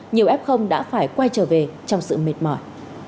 nhiều ép không đã phải quay trở về trong sự mệt mỏi